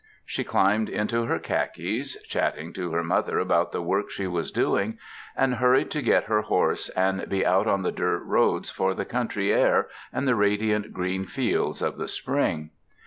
She climbed into her khakis, chattering to her mother about the work she was doing, and hurried to get her horse and be out on the dirt roads for the country air and the radiant green fields of the spring.